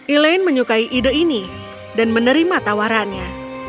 elaine menyukai ide ini dan menerima tawarannya